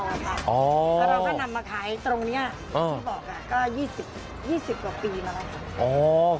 แล้วเราก็นำมาขายตรงนี้ที่บอกก็๒๐กว่าปีมาแล้วค่ะ